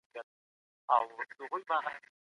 که انلاین ازموینه روښانه وي، شک نه رامنځته کيږي.